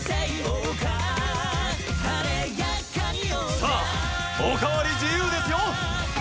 さあおかわり自由ですよ！